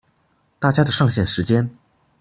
大家的上線時間